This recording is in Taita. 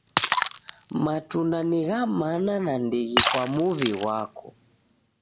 Matunda ni gha mana nandighi kwa muwi ghwako.